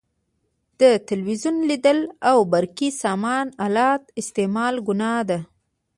د تلویزیون لیدل او برقي سامان الاتو استعمال ګناه ده.